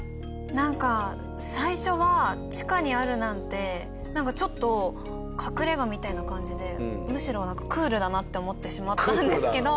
なんか最初は地下にあるなんてなんかちょっと隠れ家みたいな感じでむしろなんかクールだなって思ってしまったんですけど。